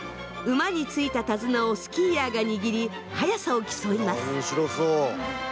馬についた手綱をスキーヤーが握り速さを競います。